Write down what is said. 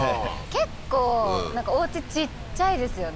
結構おうちちっちゃいですよね